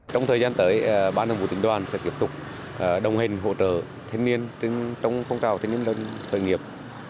trong thời gian tới bán thử nguyên đoàn sẽ tiếp tục đồng hình hỗ trợ thanh niên trong phong trào thanh niên khởi nghiệp